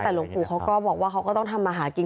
แต่หลวงปู่เขาก็บอกว่าเขาก็ต้องทำมาหากิน